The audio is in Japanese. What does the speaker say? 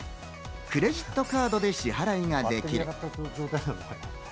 クレジットカードで支払いができる。